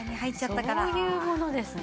そういうものですね。